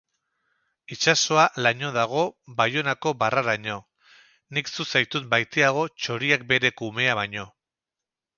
Itsasoa laino dago, Baionako barraraino. Nik zu zaitut maiteago txoriak bere kumea baino.